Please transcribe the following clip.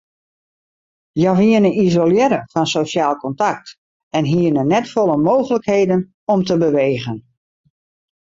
Hja wiene isolearre fan sosjaal kontakt en hiene net folle mooglikheden om te bewegen.